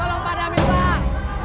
tolong padahal minta